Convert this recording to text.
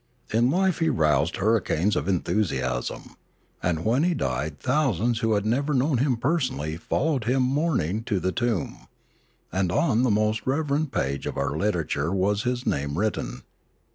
In life he roused hurricanes of enthusiasm; and when he died thousands who had never kuown him personally followed him mourning to the tomb, and on the most revered page of our literature was his name written.